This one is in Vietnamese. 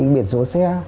biển rố xe